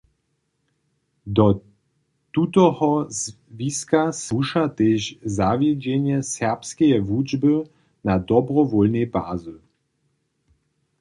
Do tutoho zwiska słuša tež zawjedźenje serbskeje wučby na dobrowólnej bazy.